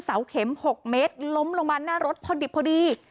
เสาเข็ม๖เมตรล้มลงมาหน้ารถพอดิบพอดี